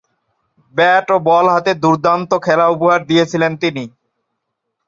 Bat ও ball হাতে দূর্দান্ত খেলা উপহার দিয়েছিলেন তিনি।